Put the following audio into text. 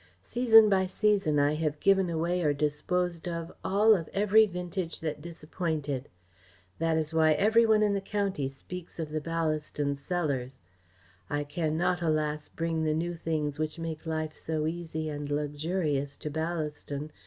Season by season I have given away or disposed of all of every vintage that disappointed. That is why every one in the county speaks of the Ballaston cellars. I cannot, alas, bring the new things which make life so easy and luxurious to Ballaston.